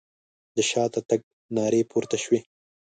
د شاته تګ نارې پورته شوې.